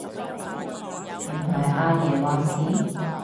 唔係阿爺話事？